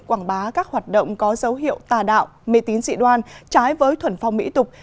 quảng bá các hoạt động có dấu hiệu tà đạo mê tín dị đoan trái với thuần phong mỹ tục